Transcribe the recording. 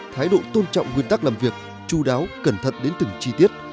thái độ tôn trọng nguyên tắc làm việc chú đáo cẩn thận đến từng chi tiết